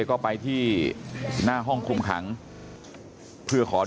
ลูกสาวหลายครั้งแล้วว่าไม่ได้คุยกับแจ๊บเลยลองฟังนะคะ